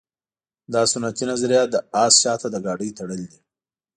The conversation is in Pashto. دا سنتي نظریه د اس شاته د ګاډۍ تړل دي.